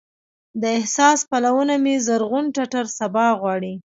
د احساس پلونه مې زرغون ټټر سبا غواړي